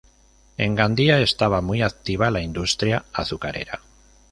En Gandía estaba muy activa la industria azucarera.